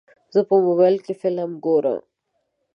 زه په موبایل کې فلم ګورم.